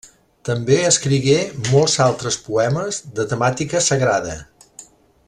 També escrigué molts altres poemes de temàtica sagrada.